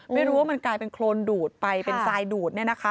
ไม่รู้ว่ามันกลายเป็นโครนดูดไปเป็นทรายดูด